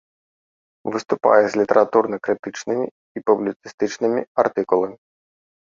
Выступае з літаратурна-крытычнымі і публіцыстычнымі артыкуламі.